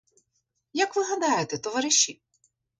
Як ви гадаєте, товариші?